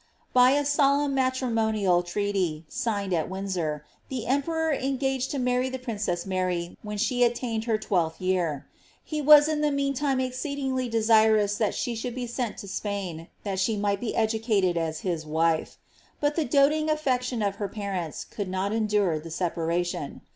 By a solemn matrimonial treaty, signed at Windsor, the emperor en to marry the princess Mary when she attained her twelfth year ; be was in the meantime exceedingly desirous that she should be sent to Spain, that she might be educated as his wife. But the doting affection of her parents could not endure the separation.